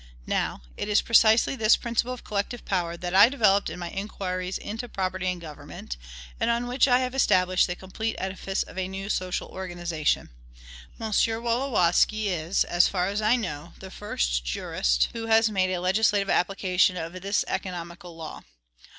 Now, it is precisely this principle of collective power that I developed in my "Inquiries into Property and Government," and on which I have established the complete edifice of a new social organization. M. Wolowski is, as far as I know, the first jurist who has made a legislative application of this economical law.